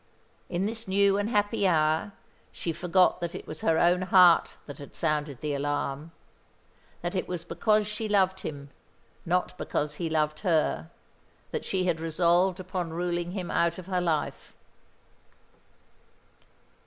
In this new and happy hour she forgot that it was her own heart that had sounded the alarm that it was because she loved him, not because he loved her, that she had resolved upon ruling him out of her life.